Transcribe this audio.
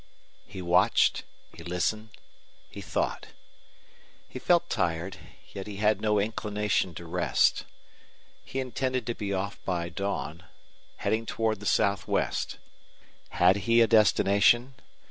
He watched, he listened, he thought. He felt tired, yet had no inclination to rest. He intended to be off by dawn, heading toward the southwest. Had he a destination?